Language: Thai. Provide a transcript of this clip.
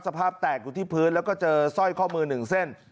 สภาพแตกอยู่ที่พื้นแล้วก็เจอสร้อยข้อมือหนึ่งเส้น